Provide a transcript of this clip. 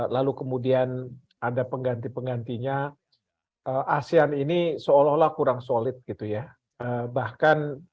lalu kemudian ada pengganti penggantinya asean ini seolah olah kurang solid gitu ya bahkan